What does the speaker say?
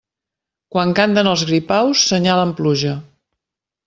Quan canten els gripaus, senyalen pluja.